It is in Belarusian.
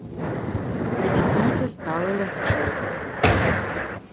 І дзіцяці стала лягчэй.